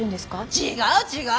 違う違う！